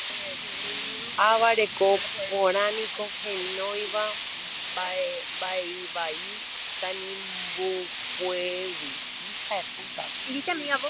Ava reko porãniko heñóiva mba'evai tanimbukuégui